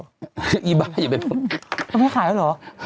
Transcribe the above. ไอ้บ้าอย่าเป็นพวกมันไม่ขายแล้วเหรอ